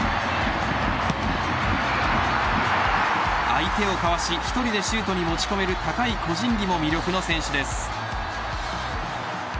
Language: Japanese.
相手をかわし１人でシュートに持ち込める高い個人技も魅力の選手です。